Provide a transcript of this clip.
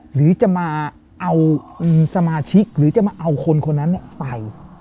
หรือจะมาเอาสมาชิกหรือจะมาเอาคนคนนั้นไป